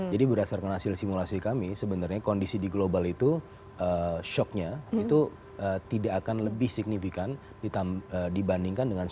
jadi berasalkan dari simulasi kami sebenarnya kondisi di global itu shock nya tidak akan lebih signifikas dibandingkan dengan shock compost